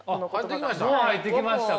もう入ってきましたか。